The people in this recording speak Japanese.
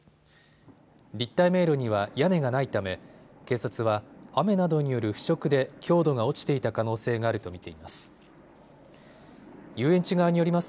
立体迷路には屋根がないため警察は雨などによる腐食で強度が落ちていた可能性があると見ています。